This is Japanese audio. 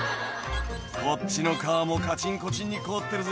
「こっちの川もカチンコチンに凍ってるぜ」